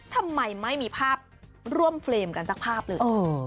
ทำไมไม่มีภาพร่วมเฟรมกันสักภาพเลย